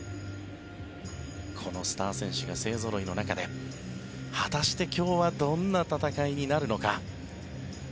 このスター選手が勢ぞろいの中で果たして今日はどんな戦いになるのか。